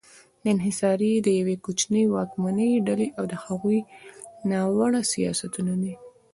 دا انحصار د یوې کوچنۍ واکمنې ډلې او د هغوی ناوړه سیاستونه دي.